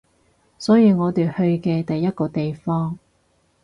所以我哋去嘅第一個地方